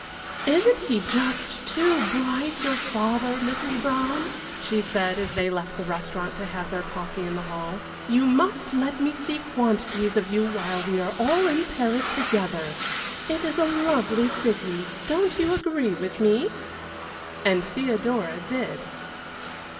"Isn't he just too bright your father, Mrs. Brown?" she said as they left the restaurant to have their coffee in the hall. "You must let me see quantities of you while we are all in Paris together. It is a lovely city; don't you agree with me?" And Theodora did.